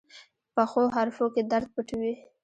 پخو حرفو کې درد پټ وي